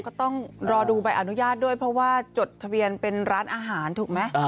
ก็ต้องรอดูใบอนุญาตด้วยเพราะว่าจดทะเบียนเป็นร้านอาหารถูกไหม